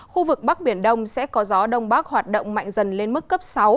khu vực bắc biển đông sẽ có gió đông bắc hoạt động mạnh dần lên mức cấp sáu